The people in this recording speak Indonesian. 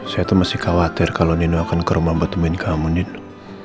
saya tuh masih khawatir kalau nino akan ke rumah buat temuin kamu nino